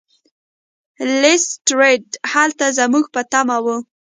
لیسټرډ هلته زموږ په تمه و.